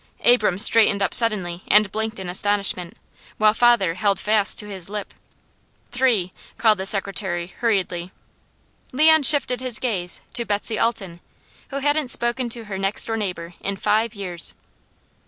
Abram straightened up suddenly and blinked in astonishment, while father held fast to his lip. "Three," called the secretary hurriedly. Leon shifted his gaze to Betsy Alton, who hadn't spoken to her next door neighbour in five years.